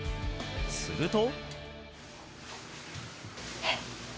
すると。